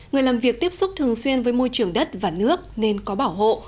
người làm việc tiếp xúc thường xuyên với môi trường đất và nước nên có bảo hộ